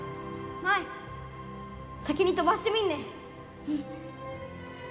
舞、先に飛ばしてみんね。